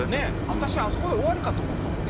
私あそこで終わりかと思ったもん